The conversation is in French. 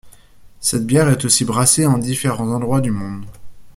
Cette bière est aussi brassée en différents endroits du monde.